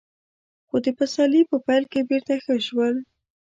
خو د پسرلي په پيل کې بېرته ښه شول.